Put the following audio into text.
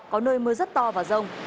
có nơi mưa rất to và rông